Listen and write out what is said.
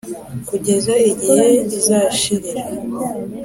kugeza igihe izashirira.